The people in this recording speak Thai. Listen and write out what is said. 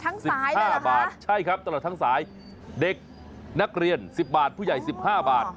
ตลอดทั้งสายได้เหรอคะใช่ครับตลอดทั้งสายเด็กนักเรียน๑๐บาทผู้ใหญ่๑๕บาท